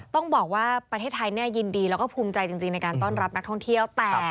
ต้องบอกว่าประเทศไทยยินดีแล้วก็ภูมิใจจริงในการต้อนรับนักท่องเที่ยว